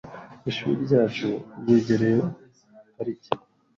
Ishuri ryacu ryegereye parike .